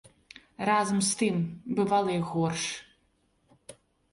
Разам з тым, бывала й горш.